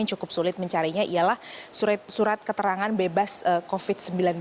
yang cukup sulit mencarinya ialah surat keterangan bebas covid sembilan belas